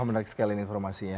oh menarik sekali informasinya